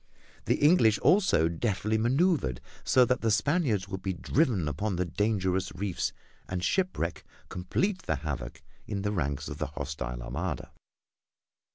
The English also deftly maneuvered so that the Spaniards would be driven upon dangerous reefs, and shipwreck complete the havoc in the ranks of the hostile Armada.